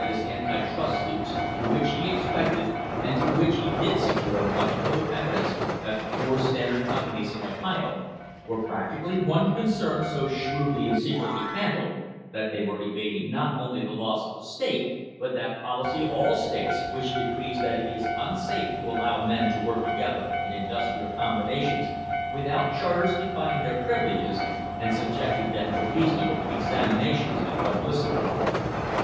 THE HISTORY OF THE STANDARD OIL COMPANY trust suits, through which he expected and through which he did secure much further evidence that the four Standard com panies in Ohio were practically one concern so shrewdly and secretly handled that they were evading not only the laws of the state, but that policy of all states which decrees that it is unsafe to allow men to work together in industrial combina tions without charters defining their privileges, and subjecting them to reasonable examinations and publicity.